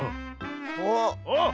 おっ。